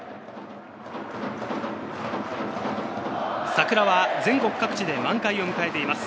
桜は全国各地で満開を迎えています。